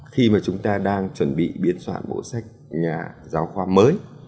khi mà chúng ta đang chuẩn bị biên soạn bộ sách nhà giáo khoa mới